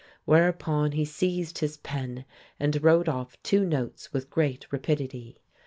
Whereupon he seized his pen and wrote off two notes with great rapidity.